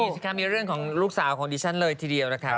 สิคะมีเรื่องของลูกสาวของดิฉันเลยทีเดียวนะคะ